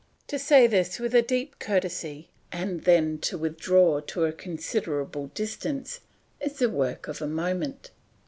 To say this with a deep courtesy, and then to withdraw to a considerable distance, is the work of a moment.